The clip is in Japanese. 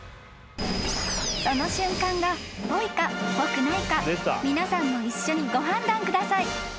［その瞬間がぽいかぽくないか皆さんも一緒にご判断ください］